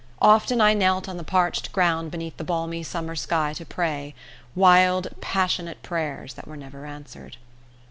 Often I knelt on the parched ground beneath the balmy summer sky to pray wild passionate prayers that were never answered.